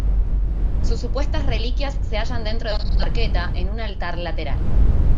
Sus supuestas reliquias se hallan dentro de una arqueta, en un altar lateral.